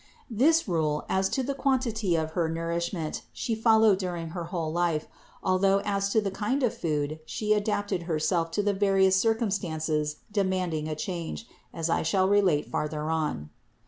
This rule, as to the quantity of her nourishment, She followed during her whole life, although as to the kind of food She adapted Herself to the various circum stances demanding a change, as I shall relate further on.